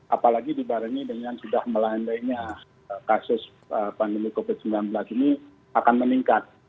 apalagi dibarengi dengan sudah melandainya kasus pandemi covid sembilan belas ini akan meningkat